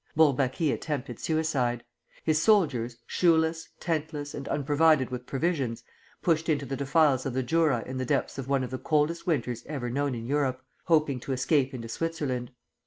Bourbaki attempted suicide. His soldiers, shoeless, tentless, and unprovided with provisions, pushed into the defiles of the Jura in the depths of one of the coldest winters ever known in Europe, hoping to escape into Switzerland.